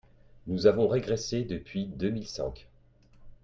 Nous avons régressé depuis deux mille cinq.